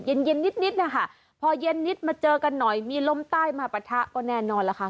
เย็นเย็นนิดนะคะพอเย็นนิดมาเจอกันหน่อยมีลมใต้มาปะทะก็แน่นอนล่ะค่ะ